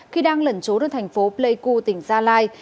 khi đang lẩn trốn ở thành phố pleiku tỉnh gia lai